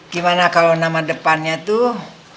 gimana kalau nama depannya tuh